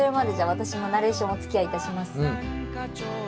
私もナレーションおつきあいいたします。